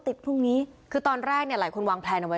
พรุ่งนี้คือตอนแรกเนี่ยหลายคนวางแพลนเอาไว้